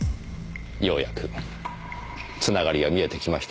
ようやく繋がりが見えてきましたねえ。